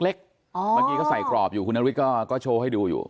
เมื่อกี้เขาใส่กรอบอยู่คุณน้องวิทย์ก็โชว์ให้ดูอยู่